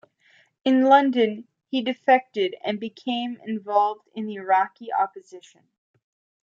In London, he defected and became involved in the Iraqi opposition.